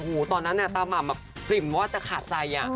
อู้ตอนนั้นตาม่ำก็ฝีมว่าจะขาดใจ